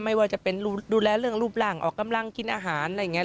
ไม่ว่าจะเป็นดูแลเรื่องรูปร่างออกกำลังกินอาหารอะไรอย่างนี้